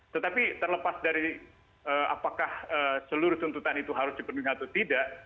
tetapi terlepas dari apakah seluruh tuntutan itu harus dipenuhi atau tidak